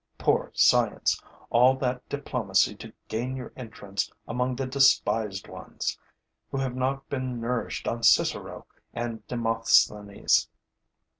Poor science! All that diplomacy to gain your entrance among the despised ones, who have not been nourished on Cicero and Demosthenes!